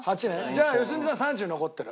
じゃあ良純さん３０残ってる。